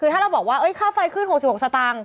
คือถ้าเราบอกว่าค่าไฟขึ้น๖๖สตางค์